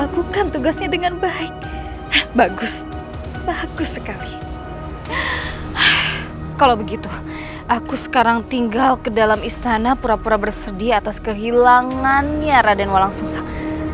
kalau begitu aku sekarang tinggal ke dalam istana pura pura bersedia atas kehilangannya raden walang susah